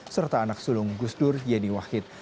serta anak sulung gusdur yeni wahid